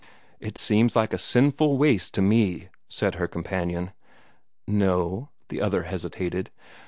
"It seems like a sinful waste to me," said her companion. "No o," the other hesitated.